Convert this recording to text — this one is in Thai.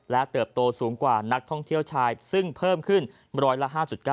เติบโตสูงกว่านักท่องเที่ยวชายซึ่งเพิ่มขึ้นร้อยละ๕๙